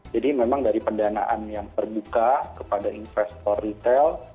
jadi memang dari pendanaan yang terbuka kepada investor retail